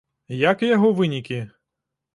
Як і яго вынікі.